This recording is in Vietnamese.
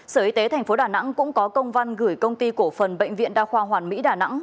sở y tế tp đà nẵng cũng có công văn gửi công ty cổ phần bệnh viện đa khoa hoàn mỹ đà nẵng